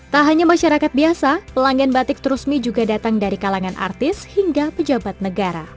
tak hanya masyarakat biasa pelanggan batik terusmi juga datang dari kalangan artis hingga pejabat negara